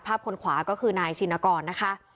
คนขวาก็คือนายชินกรนะคะ